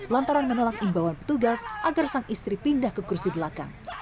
lantaran menolak imbauan petugas agar sang istri pindah ke kursi belakang